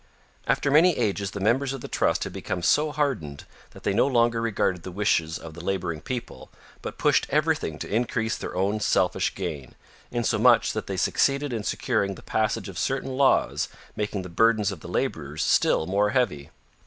After many ages the members of the Trust had become so hardened that they no longer regarded the wishes of the laboring people, but pushed everything to increase their own selfish gain, insomuch that they succeeded in securing the passage of certain laws making the burdens of the laborers still more heavy.